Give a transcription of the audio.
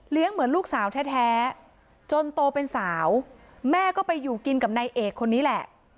เหมือนลูกสาวแท้จนโตเป็นสาวแม่ก็ไปอยู่กินกับนายเอกคนนี้แหละ